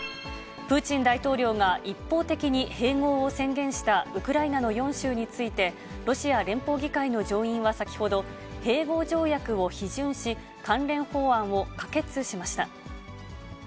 プーチン大統領が、一方的に併合を宣言したウクライナの４州について、ロシア連邦議会の上院は先ほど、併合条約を批准し、関連法案を可決しました。